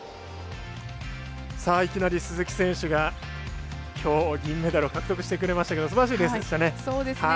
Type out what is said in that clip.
いきなり鈴木選手がきょう、銀メダルを獲得してくれましたけどすばらしいレースでしたね。